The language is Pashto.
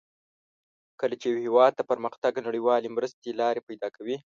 کله چې یو هېواد ته پرمختګ نړیوالې مرستې لار پیداکوي.